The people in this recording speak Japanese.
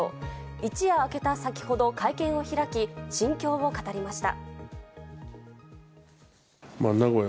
一夜明けた先ほど会見を開き、心境を語りました。